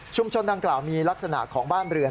ชุมชนต่างกล่าวมีลักษณะของบ้านเรือน